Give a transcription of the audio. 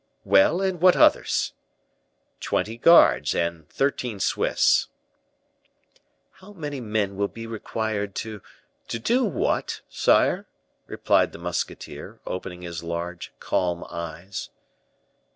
"Well; and what others?" "Twenty guards and thirteen Swiss." "How many men will be required to " "To do what, sire?" replied the musketeer, opening his large, calm eyes.